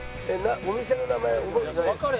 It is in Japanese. お店の名前覚えてないですか？